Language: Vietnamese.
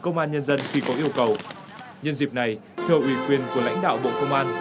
công an nhân dân khi có yêu cầu nhân dịp này thưa ủy quyền của lãnh đạo bộ công an